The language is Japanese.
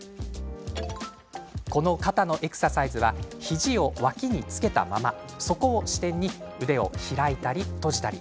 この肩のエクササイズは肘を脇につけたままそこを支点に腕を広いたり閉じたり。